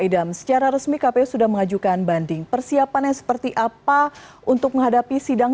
idam secara resmi kpu sudah mengajukan banding persiapannya seperti apa untuk menghadapi sidang